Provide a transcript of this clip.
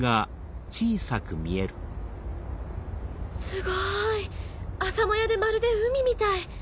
すごい朝もやでまるで海みたい。